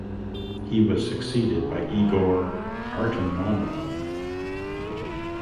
He was succeeded by Igor Artamonov.